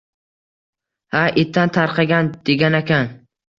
- Ha, ittan tarqagan! - Deganakan...